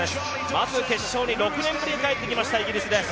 まず決勝に６年ぶりに帰ってきましたイギリスです。